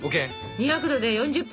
２００℃で４０分。